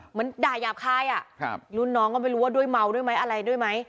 เหมือนด่ายาบคายรุ่นน้องก็ไม่รู้ว่าด้วยเมาด้วยไหมอะไรด้วยไหม